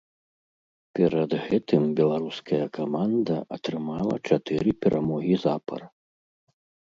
Перад гэтым беларуская каманда атрымала чатыры перамогі запар.